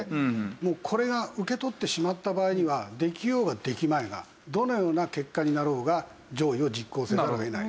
もうこれが受け取ってしまった場合にはできようができまいがどのような結果になろうが攘夷を実行せざるを得ない。